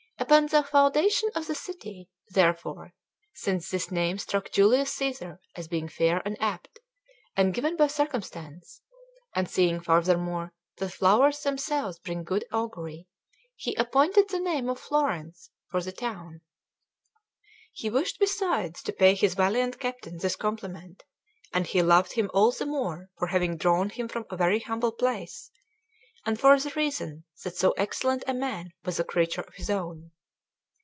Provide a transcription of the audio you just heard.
Upon the foundation of the city, therefore, since this name struck Julius Cæsar as being fair and apt, and given by circumstance, and seeing furthermore that flowers themselves bring good augury, he appointed the name of Florence for the town. He wished besides to pay his valiant captain this compliment; and he loved him all the more for having drawn him from a very humble place, and for the reason that so excellent a man was a creature of his own.